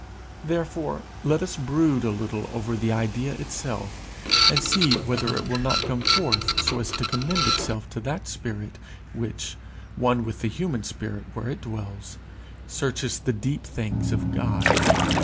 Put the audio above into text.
Therefore let us brood a little over the idea itself, and see whether it will not come forth so as to commend itself to that spirit, which, one with the human spirit where it dwells, searches the deep things of God.